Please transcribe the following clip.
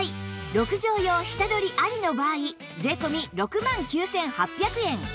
６畳用下取り有りの場合税込６万９８００円